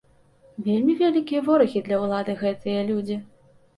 Вельмі вялікія ворагі для ўлады гэтыя людзі!